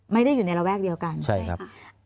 ไม่ได้อยู่ในระแวกเดียวกันใช่ครับ